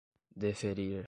deferir